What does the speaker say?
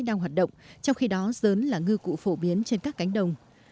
đang hoạt động trong khi đó dớn là ngư cụ phổ biến trên các cánh đồng